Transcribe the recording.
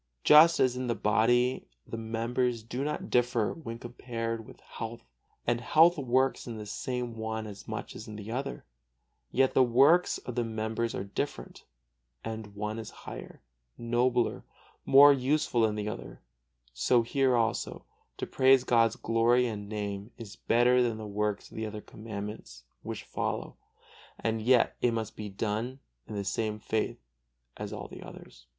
Just as in the body the members do not differ when compared with health, and health works in the one as much as in the other; yet the works of the members are different, and one is higher, nobler, more useful than the other; so, here also, to praise God's glory and Name is better than the works of the other Commandments which follow; and yet it must be done in the same faith as all the others.